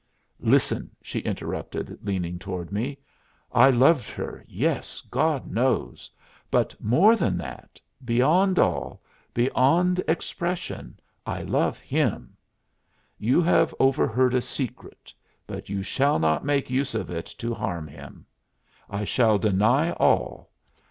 "Listen," she interrupted, leaning toward me. "I loved her, yes, God knows! But more than that beyond all, beyond expression, I love him. You have overheard a secret, but you shall not make use of it to harm him. I shall deny all.